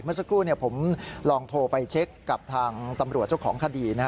เมื่อสักครู่ผมลองโทรไปเช็คกับทางตำรวจเจ้าของคดี